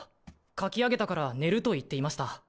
書き上げたから寝ると言っていました。